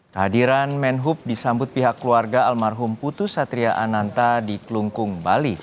kehadiran menhub disambut pihak keluarga almarhum putus satria ananta di kelungkung bali